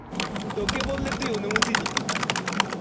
তোকে বললে, তুই অনুমতি দিতি না।